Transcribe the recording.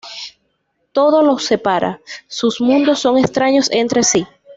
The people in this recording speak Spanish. Todo los separa, sus mundos son extraños entre sí.